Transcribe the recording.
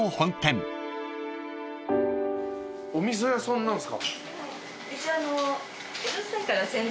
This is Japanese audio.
お味噌屋さんなんすか？